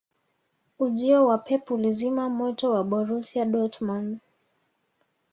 ujio wa pep ulizima moto wa borusia dortmund